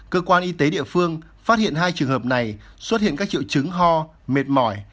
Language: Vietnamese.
cơ quan y tế địa phương phát hiện hai trường hợp này xuất hiện các triệu chứng ho mệt mỏi